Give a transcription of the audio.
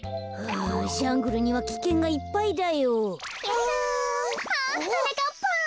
あっはなかっぱん。